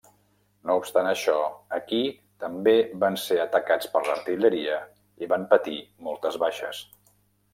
No obstant això, aquí, també, van ser atacats per l'artilleria i van patir moltes baixes.